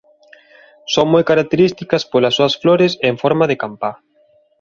Son moi características polas súas flores en forma de campá.